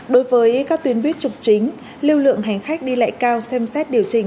đối với các tuyến buýt trục chính lưu lượng hành khách đi lại cao xem xét điều chỉnh